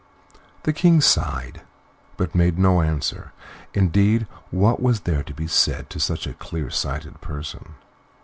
The King sighed, but made no answer indeed, what was there to be said to such a clear sighted person?